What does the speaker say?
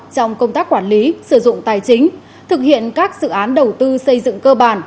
trong công tác quản lý sử dụng tài chính thực hiện các dự án đầu tư xây dựng cơ bản